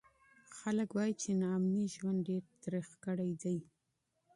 خلک وایي چې ناامني ژوند ډېر تریخ کړی دی.